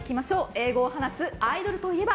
英語を話すアイドルといえば？